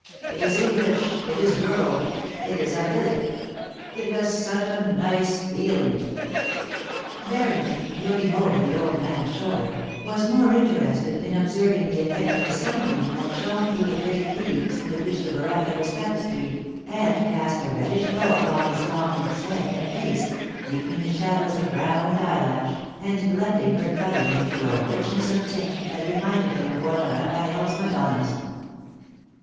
It is English — it is rural — it is idyllic — it has such a nice feeling.' THE DRYAD OF THE TI TREE, 157 Barrington, looking over the old man's shoulder, was more interested in observing the effect of a sunbeam that shone through the grape leaves with which the verandah was tapes tried, and cast a reddish glow upon Miss Longleat's head and face, deepening the shadows of brow and eyelash, and blending her colouring into a richness of tint that reminded him of one of Raffaelle's Madonnas.